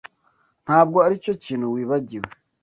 Ntabwo aricyo kintu wibagiwe.